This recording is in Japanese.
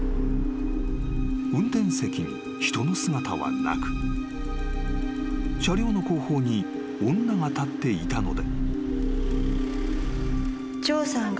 ［運転席に人の姿はなく車両の後方に女が立っていたので］